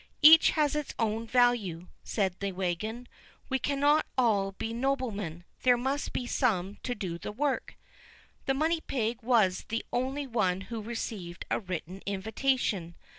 "Each has its own value," said the wagon; "we cannot all be noblemen; there must be some to do the work." The money pig was the only one who received a written invitation.